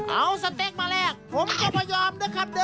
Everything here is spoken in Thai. เอาสเต็กมาแลกผมก็พยอมนะครับเด้อ